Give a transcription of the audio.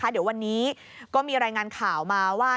เดี๋ยววันนี้ก็มีรายงานข่าวมาว่า